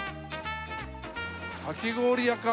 かき氷屋か。